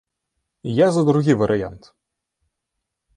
Я за другі варыянт.